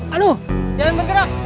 anu jangan bergerak